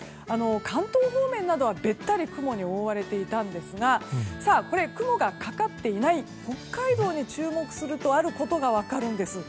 関東方面などはべったり雲に覆われていたんですがこれ、雲がかかっていない北海道に注目するとあることが分かるんです。